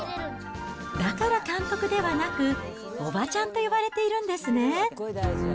だから監督ではなく、おばちゃんと呼ばれているんですね。